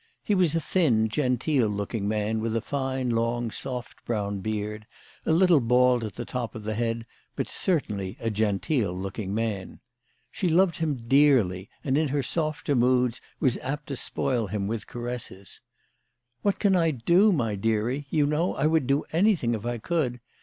He was a thin, genteel looking man, with a fine long, soft brown beard, a little bald at the top of the head, but certainly a genteel looking man. She loved him dearly, and in her softer moods was apt to spoil him with her caresses. " What can I do, my dearie ? You know I would do anything if I could.